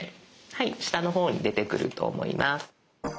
はい下の方に出てくると思います。